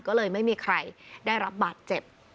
ก็เลยไม่มีใครได้รับบาดเจ็บ